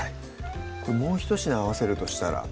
これもうひと品合わせるとしたら？